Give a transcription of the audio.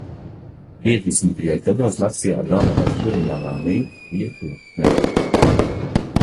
Piecdesmitajos gados Latvijā galvenais kurināmā veids bija koksne.